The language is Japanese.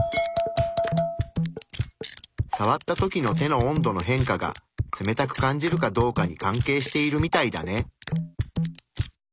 さわった時の手の温度の変化が冷たく感じるかどうかに関係しているみたいだね。